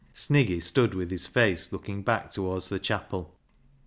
Sniggy stood with his face looking back towards the chapel.